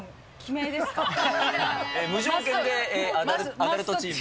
無条件で、アダルトチーム。